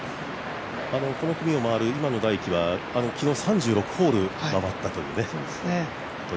この組を回る今野大喜は昨日３６ホール回ったというね。